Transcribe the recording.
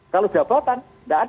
kalau jabatan tidak ada